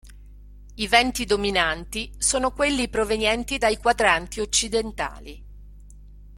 I venti dominanti sono quelli provenienti dai quadranti occidentali.